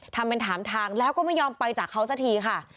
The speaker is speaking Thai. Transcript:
ทำเป็นถามทางแล้วก็ไม่ยอมไปจากเขาสักทีค่ะ